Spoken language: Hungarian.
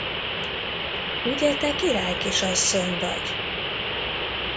Ugye, te királykisasszony vagy?